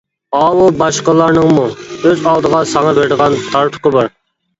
ئاۋۇ باشقىلارنىڭمۇ، ئۆز ئالدىغا ساڭا بېرىدىغان تارتۇقى بار.